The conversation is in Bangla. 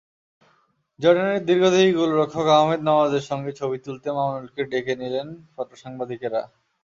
জর্ডানের দীর্ঘদেহী গোলরক্ষক আহমেদ নওয়াজের সঙ্গে ছবি তুলতে মামুনুলকে ডেকে নিলেন ফটোসাংবাদিকেরা।